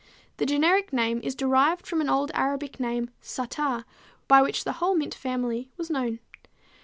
The generic name is derived from an old Arabic name, Ssattar, by which the whole mint family was known.